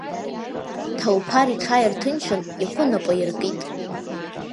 Ҭалуԥар иҽааирҭынчын, ихәы напаиркит.